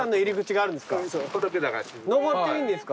上っていいんですか？